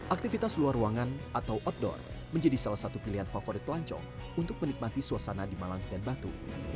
aktivitas luar ruangan atau outdoor menjadi salah satu pilihan favorit pelancong untuk menikmati suasana di malang dan batu